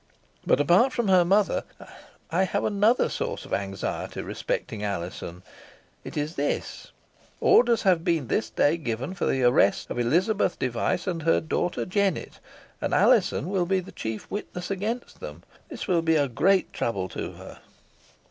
But, apart from her mother, I have another source of anxiety respecting Alizon. It is this: orders have been this day given for the arrest of Elizabeth Device and her daughter, Jennet, and Alizon will be the chief witness against them. This will be a great trouble to her."